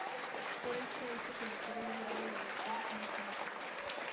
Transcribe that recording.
Por este hecho, se le otorga el grado de Doctor en Ciencias.